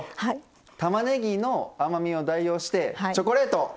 たまねぎの甘みを代用してチョコレート！